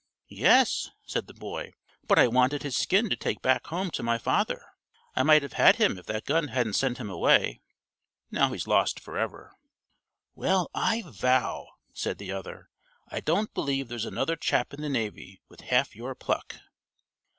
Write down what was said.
"Yes," said the boy, "but I wanted his skin to take back home to my father. I might have had him if that gun hadn't sent him away. Now he's lost forever." "Well, I vow," said the other. "I don't believe there's another chap in the navy with half your pluck."